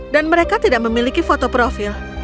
dan mereka tidak memiliki foto profil